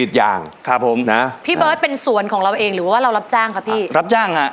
ได้เป็นล้านล่ะครับ